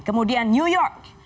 kemudian new york